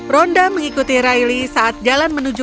ronda mengikuti raili saat jalan menuju